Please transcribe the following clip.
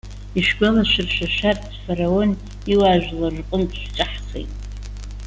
Ишәгәалашәыршәа! Шәарҭ Фараон иуаажәлар рҟынтә шәҿаҳхит.